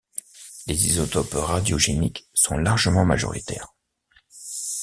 Les isotopes radiogéniques sont largement majoritaires.